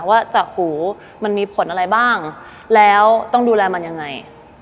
ว่าจากหูมันมีผลอะไรบ้างแล้วต้องดูแลมันยังไง